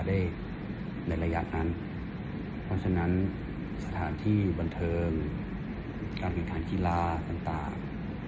ในระยะนั้นเพราะฉะนั้นสถานที่บันเทิงการแข่งขันกีฬาต่าง